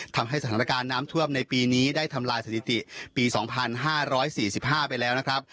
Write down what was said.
ทำให้สถานการณ์น้ำท่วมในปีนี้ได้ทำลายสถิติปีสองพันห้าร้อยสี่สิบห้าไปแล้วนะครับ